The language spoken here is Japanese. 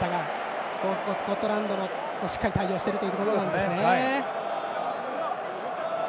スコットランドもしっかり対応しているところです。